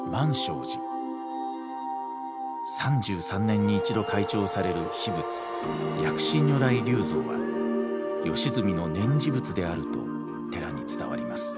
３３年に一度開帳される秘仏薬師如来立像は義澄の念持仏であると寺に伝わります。